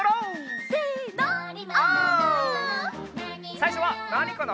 さいしょはなにかな？